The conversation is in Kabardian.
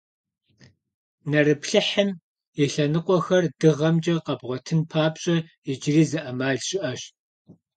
Нэрыплъыхьым и лъэныкъуэхэр дыгъэмкӀэ къэбгъуэтын папщӀэ, иджыри зы Ӏэмал щыӀэщ.